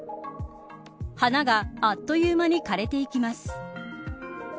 花があっという間に枯れていきます。